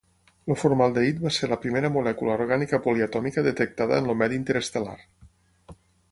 El formaldehid va ser la primera molècula orgànica poliatòmica detectada en el medi interestel·lar.